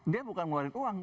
dia bukan ngeluarin uang